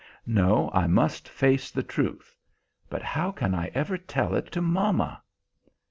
No; I must face the truth. But how can I ever tell it to mamma!"